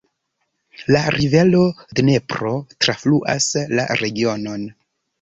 La rivero Dnepro trafluas la regionon.